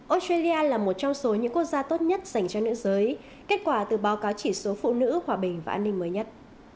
australia là một trong số những quốc gia tốt nhất dành cho nữ giới kết quả từ báo cáo chỉ số phụ nữ hòa bình và an ninh mới nhất